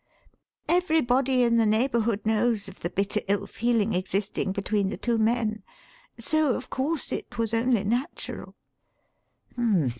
"Everybody in the neighbourhood knows of the bitter ill feeling existing between the two men; so, of course, it was only natural."